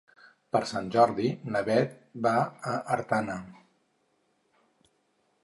Per Sant Jordi na Beth va a Artana.